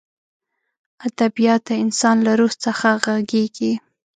ادبیات د انسان له روح څخه غږېږي.